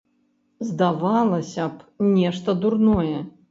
Здавалася б, нешта дурное.